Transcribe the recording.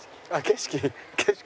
景色？